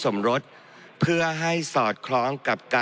มาตรา๑๔๕๐